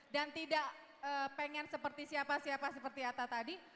dan tidak pengen seperti siapa siapa seperti atta tadi